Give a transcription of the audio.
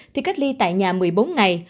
thì cách ly tại nhà một mươi bốn ngày